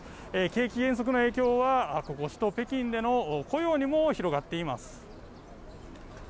景気減速の影響はここ首都、北京での雇用にも広がっています。